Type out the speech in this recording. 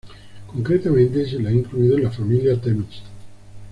Concretamente se le ha incluido en la familia Temis.